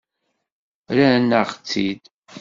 Rran-aɣ-tt-id.